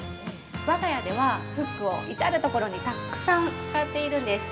我が家ではフックを至る所にたくさん使っているんです。